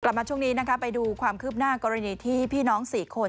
มาช่วงนี้นะคะไปดูความคืบหน้ากรณีที่พี่น้อง๔คน